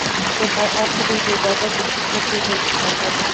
এবার অঙ্কগুলো বড় থেকে ছোট হিসাবে সাজিয়ে লেখো।